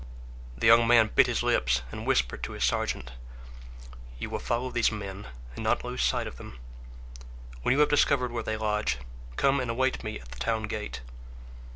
The young man bit his lips and whispered to his sergeant: "You will follow these men and not lose sight of them; when you have discovered where they lodge, come and await me at the town gate."